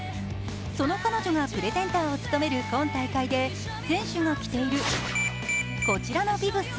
その彼女がプレゼンターを務める今回の大会で選手が着ているこちらのビブス。